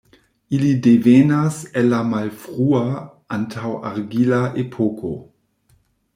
Ili devenas el la malfrua, antaŭ-argila epoko.